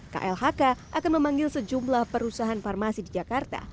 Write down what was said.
klhk akan memanggil sejumlah perusahaan farmasi di jakarta